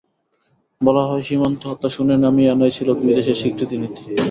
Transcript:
বলা হয়, সীমান্ত-হত্যা শূন্যে নামিয়ে আনাই ছিল দুই দেশের স্বীকৃত নীতি।